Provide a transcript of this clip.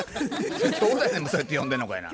兄弟でもそうやって呼んでんのかいな。